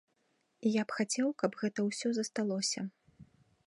Я б хацеў, каб гэта ўсё засталося.